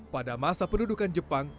pada masa pendudukan jepang